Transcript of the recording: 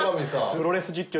プロレス実況